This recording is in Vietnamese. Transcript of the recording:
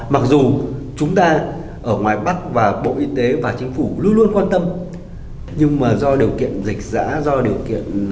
mặc dù chúng ta ở ngoài bắc và bộ y tế và chính phủ luôn luôn quan tâm nhưng mà do điều kiện dịch giã do điều kiện